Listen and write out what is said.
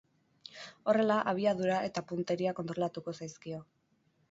Horrela, abiadura eta punteria kontrolatuko zaizkio.